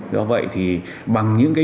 do vậy thì bằng những cái